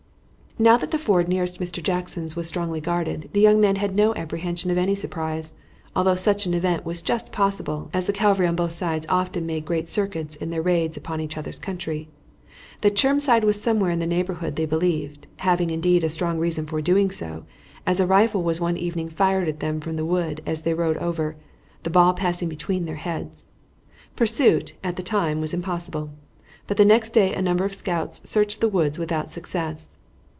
Now that the ford nearest Mr. Jackson's was strongly guarded, the young men had no apprehension of any surprise, although such an event was just possible, as the cavalry on both sides often made great circuits in their raids upon each other's country. That Chermside was somewhere in the neighborhood they believed; having, indeed, strong reason for doing so, as a rifle was one evening fired at them from the wood as they rode over, the ball passing between their heads. Pursuit, at the time, was impossible. But the next day a number of scouts searched the woods without success.